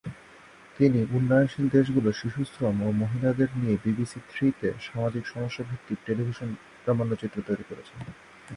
তিনি উন্নয়নশীল দেশগুলোর শিশুশ্রম ও মহিলাদের নিয়ে বিবিসি থ্রি-তে সামাজিক সমস্যা-ভিত্তিক টেলিভিশন প্রামাণ্যচিত্র তৈরি করেছেন।